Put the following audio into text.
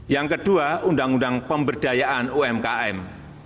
yang kedua undang undang pemberdayaan umkm